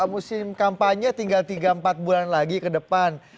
musim kampanye tinggal tiga empat bulan lagi ke depan